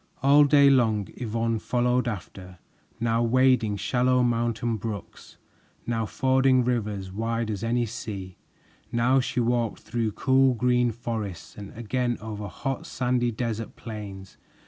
All day long Yvonne followed after, now wading shallow mountain brooks, now fording rivers wide as any sea. Now she walked through cool green forests and again over hot, sandy desert plains.